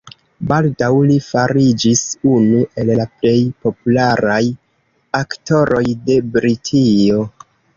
Baldaŭ li fariĝis unu el la plej popularaj aktoroj de Britio.